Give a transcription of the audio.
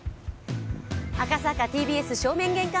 赤坂ＴＢＳ正面玄関